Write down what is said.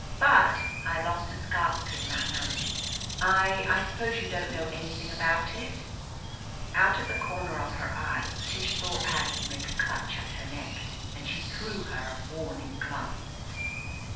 But — I lost a scarf pin that night. I — I suppose you don't know any thing about it ?" Out of the comer of her eye Tish saw Aggie 271 THE AMAZING ADVENTURES make a clutch at her neck, and she threw her a warning glance.